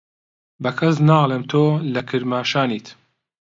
بە کەس ناڵێم تۆ لە کرماشانیت.